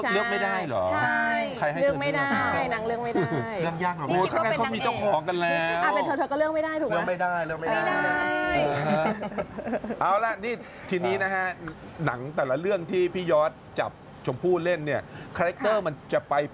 เลื่องไม่ได้นางเลือกไม่ได้